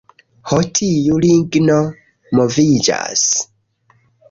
Ho tiu ligno moviĝas...